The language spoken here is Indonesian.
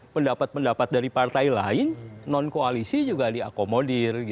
pendapat pendapat dari partai lain non koalisi juga diakomodir